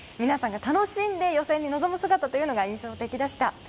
皆さんが楽しんで予選に臨む姿というのが印象的でした。